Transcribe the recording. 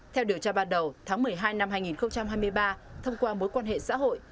theo điều tra ban đầu tháng một mươi hai năm hai nghìn hai mươi ba thông qua mối quan hệ xã hội